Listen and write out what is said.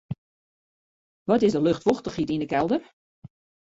Wat is de luchtfochtichheid yn 'e kelder?